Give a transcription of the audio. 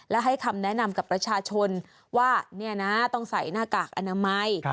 และให้คำแนะนำกับประชาชนว่าเนี่ยนะต้องใส่หน้ากากอนามัย